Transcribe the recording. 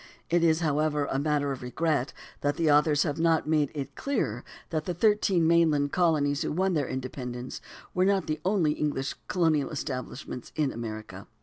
It is, however, a matter of regret that the authors have not made it clearer that the thirteen mainland colonies who won their independence were not the only English colonial establishments in America.